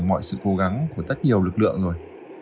mọi sự cố gắng của rất nhiều lực lượng rồi